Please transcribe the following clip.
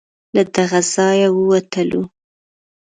له دغه ځای ووتلو.